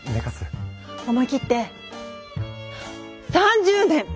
思い切って３０年！